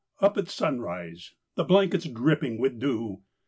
_—Up at sunrise, the blankets dripping with dew.